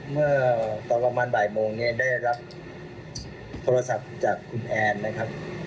เมื่อตอนประมาณบ่ายโมงเนี่ยได้รับโทรศัพท์จากคุณแอนนะครับ